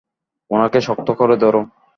উনাকে শক্ত করে ধরো?